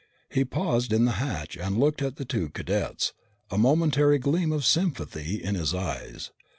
He paused in the hatch and looked back at the two cadets, a momentary gleam of sympathy in his eyes.